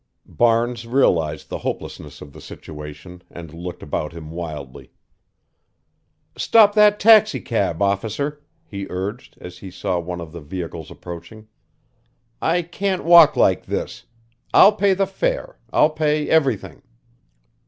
Barnes realized the hopelessness of the situation and looked about him wildly. "Stop that taxicab, officer," he urged, as he saw one of the vehicles approaching. "I can't walk like this. I'll pay the fare I'll pay everything."